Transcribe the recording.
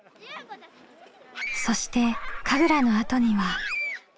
そして神楽のあとには。